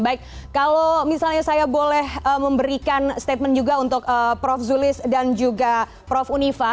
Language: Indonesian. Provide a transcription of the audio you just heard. baik kalau misalnya saya boleh memberikan statement juga untuk prof zulis dan juga prof unifa